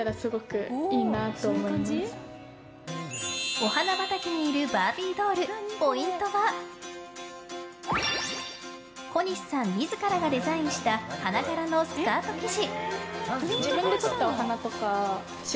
お花畑にいるバービードールポイントは小西さん自らがデザインした花柄のスカート生地。